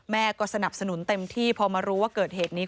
แม่ก็สนับสนุนเต็มที่พอมารู้ว่าเกิดเหตุนี้